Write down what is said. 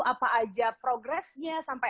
apa aja progresnya sampai